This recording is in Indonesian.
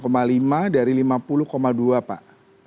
dari lima puluh lima dari lima puluh dua pak